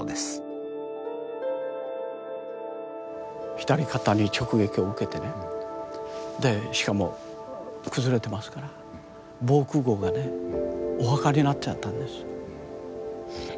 左肩に直撃を受けてねでしかも崩れてますから防空壕がねお墓になっちゃったんです。